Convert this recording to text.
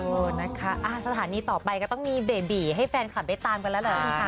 เออนะคะสถานีต่อไปก็ต้องมีเบบีให้แฟนคลับได้ตามกันแล้วแหละ